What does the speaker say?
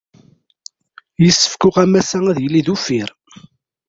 Yessefk uɣawas-a ad yili d uffir.